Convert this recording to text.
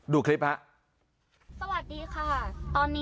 ดูคลิปนะ